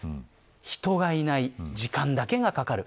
人がいない時間だけがかかる